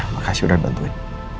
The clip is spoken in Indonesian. makasih udah ngebantuin